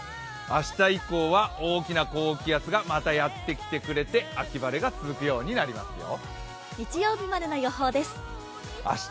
明日以降は大きな高気圧がまたやってきてくれて秋晴れが続くようになりますよ。